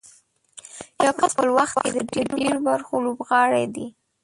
یو کس په خپل وخت کې د ډېرو برخو لوبغاړی دی.